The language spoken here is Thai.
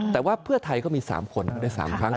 แต่ว่าเพื่อไทยก็มี๓คนได้๓ครั้ง